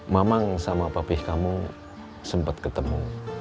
mamang sama papih kamu sempat ketemu